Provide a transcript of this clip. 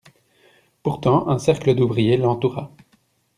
Pourtant un cercle d'ouvriers l'entoura.